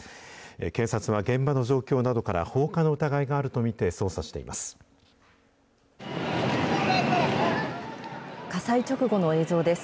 警察は現場の状況などから、放火の疑いがあると見て捜査しています。